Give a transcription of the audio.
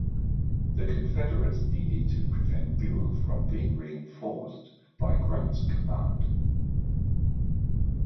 The Confederates needed to prevent Buell from being reinforced by Grant's command.